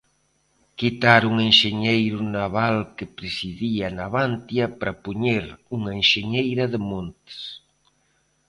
Quitar un enxeñeiro naval que presidía Navantia para poñer unha enxeñeira de montes.